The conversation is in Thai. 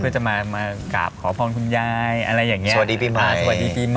เพื่อจะมากราบขอพรคุณยายอะไรอย่างเงี้สวัสดีปีใหม่สวัสดีปีใหม่